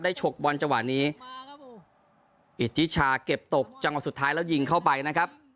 ฉกบอลจังหวะนี้อิทธิชาเก็บตกจังหวะสุดท้ายแล้วยิงเข้าไปนะครับ